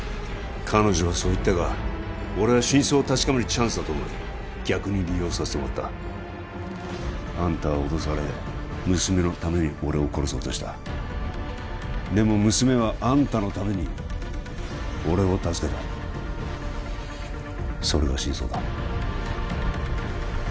彼女はそう言ったが俺は真相を確かめるチャンスだと思い逆に利用させてもらったあんたは脅され娘のために俺を殺そうとしたでも娘はあんたのために俺を助けたそれが真相だ